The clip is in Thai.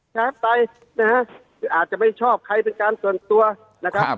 ไปนะฮะคืออาจจะไม่ชอบใครเป็นการส่วนตัวนะครับ